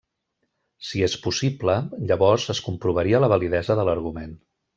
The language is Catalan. Si és possible, llavors es comprovaria la validesa de l'argument.